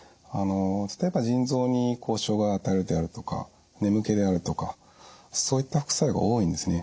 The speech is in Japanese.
ちょっとやっぱり腎臓に障害を与えるであるとか眠気であるとかそういった副作用が多いんですね。